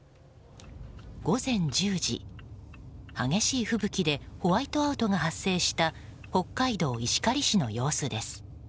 午前１０時、激しい吹雪でホワイトアウトが発生した北海道石狩市の様子です。